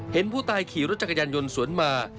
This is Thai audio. เห็นผู้ตายขี่รถจักรยานยนต์สวนมา